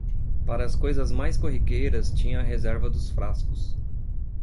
Para as coisas mais corriqueiras tinha a reserva dos frascos.